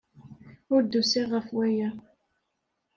Ur d-usiɣ ɣef waya.